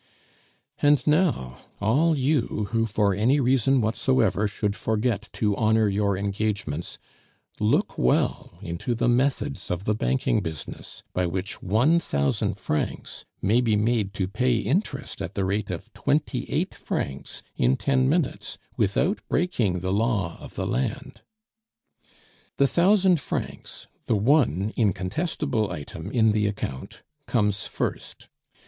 And now, all you who for any reason whatsoever should forget to "honor your engagements," look well into the methods of the banking business, by which one thousand francs may be made to pay interest at the rate of twenty eight francs in ten minutes, without breaking the law of the land. The thousand francs, the one incontestable item in the account, comes first.